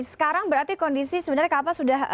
sekarang berarti kondisi sebenarnya kapal sudah